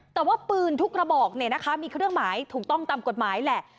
แต่ว่าปืนทุกระบอกมีเครื่องหมายถูกต้องตามกฎหมายแหละ